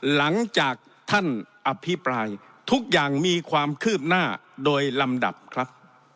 หลังจากท่านอภิปรายทุกอย่างมีความคืบหน้าโดยลำดับครับ